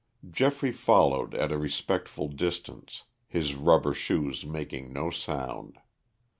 Geoffrey followed at a respectful distance, his rubber shoes making no sound.